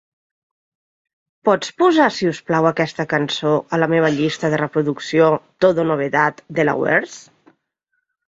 Pots posar si us plau aquesta cançó a la meva llista de reproducció TODO NOVEDADelawareS?